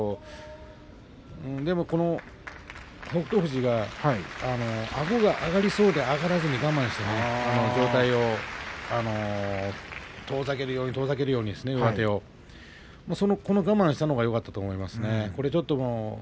でも北勝富士があごが上がりそうで上がらずに我慢して上手を遠ざけるようにして我慢したのがよかったと思いますね。